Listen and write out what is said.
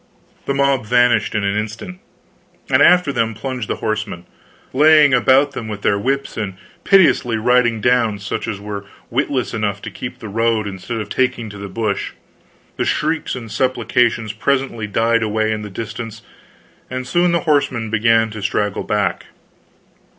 The mob vanished in an instant; and after them plunged the horsemen, laying about them with their whips and pitilessly riding down such as were witless enough to keep the road instead of taking to the bush. The shrieks and supplications presently died away in the distance, and soon the horsemen began to straggle back.